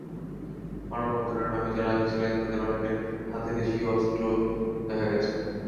মানববন্ধনের নামে যাঁরা এসেছিলেন, তাঁদের অনেকের হাতেই দেশীয় অস্ত্র দেখা গেছে।